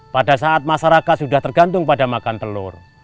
pada saat masyarakat sudah tergantung pada makan telur